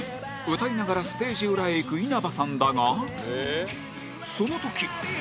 歌いながらステージ裏へ行く稲葉さんだがその時